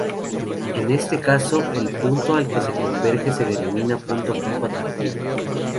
En este caso, el punto al que se converge se denomina punto fijo atractivo.